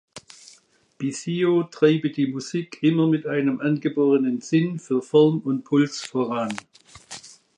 Bisio treibe die Musik immer mit einem angeborenen Sinn für Form und Puls voran.